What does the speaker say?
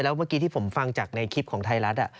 เมื่อกี้ที่ผมฟังจากในคลิปของไทยรัฐ